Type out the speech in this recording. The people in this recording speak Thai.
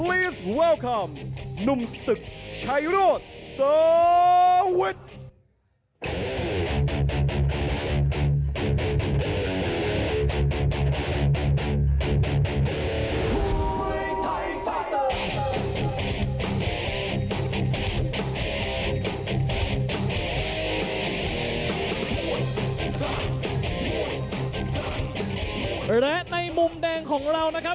และในมุมแดงของเรานะครับ